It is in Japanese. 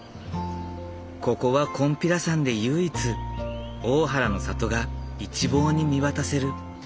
ここは金毘羅山で唯一大原の里が一望に見渡せる。